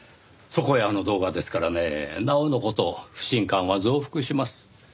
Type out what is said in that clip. そこへあの動画ですからねなおの事不信感は増幅します。